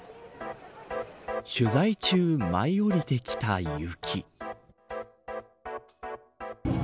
取材中、舞い降りてきた雪。